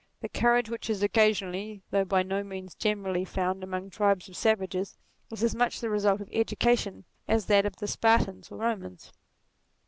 The courage which is occasionally though by no means generally found among tribes of savages, is as much the result of education as that of the Spartans or Eomans.